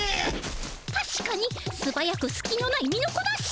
たしかにすばやくすきのない身のこなし。